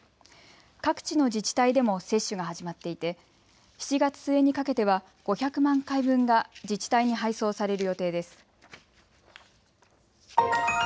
各地の自治体でも接種が始まっていて７月末にかけては５００万回分が自治体に配送される予定です。